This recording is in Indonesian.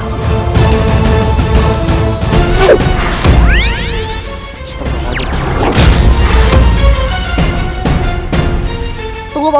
siapa pak jalan